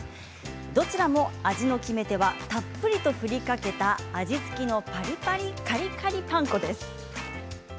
どちらも味の決め手はたっぷりと振りかけた味付きのカリカリパン粉です。